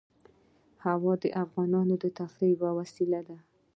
هوا د افغانانو د تفریح یوه وسیله ده.